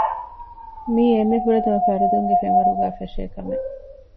މިއީ އެންމެ ފުރަތަމަ ފަރުދުންގެ ފެންވަރުގައި ފެށޭ ކަމެއް